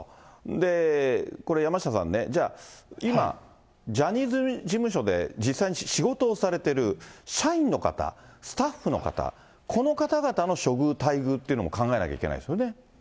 で、これ、山下さんね、じゃあ、今、ジャニーズ事務所で実際に仕事をされている社員の方、スタッフの方、この方々の処遇、待遇というのも考えなきゃいけないですよね。